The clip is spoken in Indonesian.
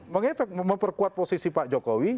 mengefek memperkuat posisi pak jokowi